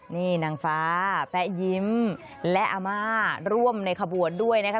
นี่นางฟ้าแป๊ะยิ้มและอาม่าร่วมในขบวนด้วยนะคะ